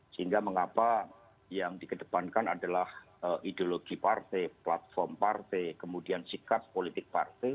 sehingga mengapa yang dikedepankan adalah ideologi partai platform partai kemudian sikap politik partai